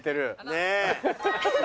ねえ。